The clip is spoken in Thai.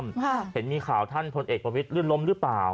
เนี่ยมีข่าวท่านพนเอกประวิษฐรรณลมรึเปล่า